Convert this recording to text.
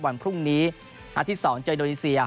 วันพรุ่งนี้อาทิตย์๒เจออินโดนีเซีย